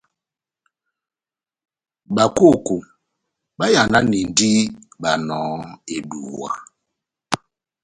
Bakoko bayananindi Banɔhɔ eduwa.